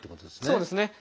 そうですね。